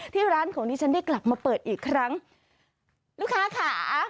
ที่ร้านของดิฉันได้กลับมาเปิดอีกครั้งลูกค้าค่ะ